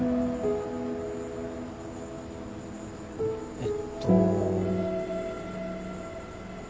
えっと。